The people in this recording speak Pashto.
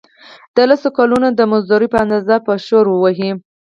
د لسو کلونو د مزدورۍ په اندازه به شوړه ووهي.